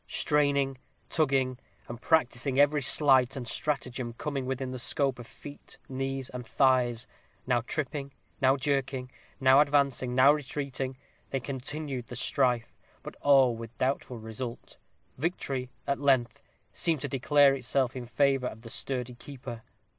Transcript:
Straining, tugging, and practising every sleight and stratagem coming within the scope of feet, knees, and thighs now tripping, now jerking, now advancing, now retreating, they continued the strife, but all with doubtful result. Victory, at length, seemed to declare itself in favor of the sturdy keeper.